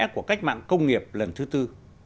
của cách mạng công nghiệp lần thứ tư